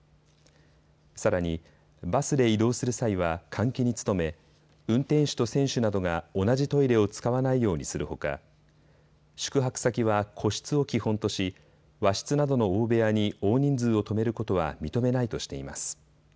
さらに、バスで移動する際は換気に努め運転手と選手などが同じトイレを使わないようにするほか宿泊先は個室を基本とし、和室などの大部屋に大人数を泊めることは認めないとしています。